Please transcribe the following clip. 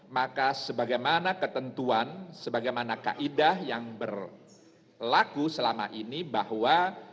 maka sebagaimana ketentuan sebagaimana kaidah yang berlaku selama ini bahwa